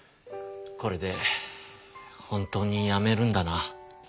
これで本当にやめるんだな。